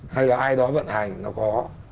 hay là ai đó vận hành nó có